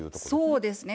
そうですね。